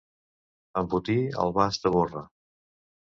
Embotir el bast de borra.